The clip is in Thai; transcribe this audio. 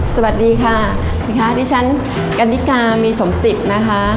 สวัสดีค่ะดิฉันกันนิกามีสมศิษย์นะคะ